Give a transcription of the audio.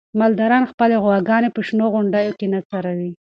مالداران خپلې غواګانې په شنو غونډیو کې څروي.